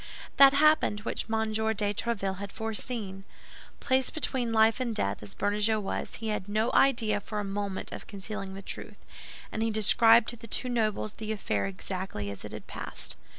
That happened which M. de Tréville had foreseen. Placed between life and death, as Bernajoux was, he had no idea for a moment of concealing the truth; and he described to the two nobles the affair exactly as it had passed.